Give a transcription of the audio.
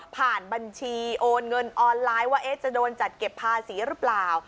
บัญชีโอนเงินออนไลน์ว่าจะโดนจัดเก็บภาษีหรือเปล่า